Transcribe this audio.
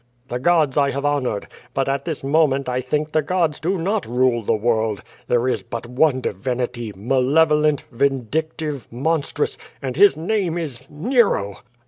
"The gods I have honored. But at this moment I think the gods do not rule the world. There is but one divinity, malevolent, vindictive, monstrous, and his name is — ^Nero!"